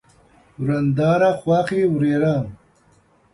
ورېنداره ، خواښې، ورېره